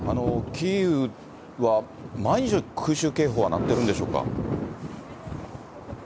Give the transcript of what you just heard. キーウは毎日のように空襲警報が鳴ってるんでしょうか。